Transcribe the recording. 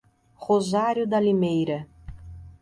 Rosário da Limeira